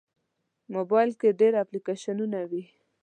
موبایل کې ډېر اپلیکیشنونه وي.